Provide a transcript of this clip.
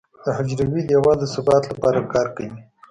د حجروي دیوال د ثبات لپاره کار کوي.